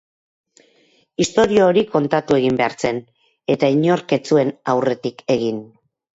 Istorio hori kontatu egin behar zen, eta inork ez zuen aurretik egin.